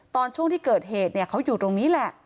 ตอนช่วงที่เกิดเหตุเขาอยู่ตรงนี้แหละ